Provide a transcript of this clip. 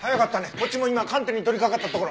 こっちも今鑑定に取りかかったところ。